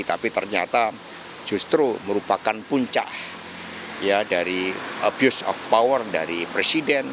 tapi ternyata justru merupakan puncak ya dari abuse of power dari presiden